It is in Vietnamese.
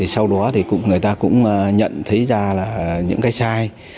sau đó thì người ta cũng nhận thấy ra là những cái sai